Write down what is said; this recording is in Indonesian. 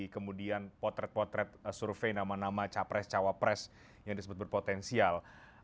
kemudian potret potret survei nama nama capres cawapres yang disebut berpotensial